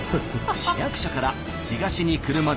市役所から東に車で１５分。